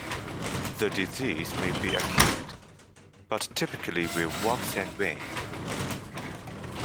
The disease may be acute, but typically will wax and wane.